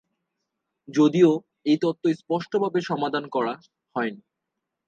যদিও এই তত্ত্ব স্পষ্টভাবে সমাধান করা হয়নি।